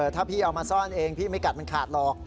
ถ้าพี่เอามาซ่อนเองพี่ไม่กัดมันขาดหรอก